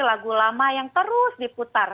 lagu lama yang terus diputar